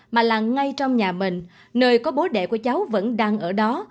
mà là ngay trong nhà mình nơi có bố đẻ của cháu vẫn đang ở đó